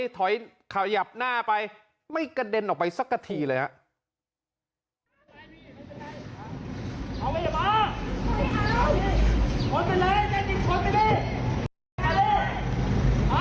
ถอยขยับหน้าไปไม่กระเด็นออกไปสักกะทีเลยครับ